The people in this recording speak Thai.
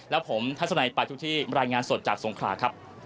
แล้วผมทัศนัยไปทุกที่รายงานสดจากสงขลาครับ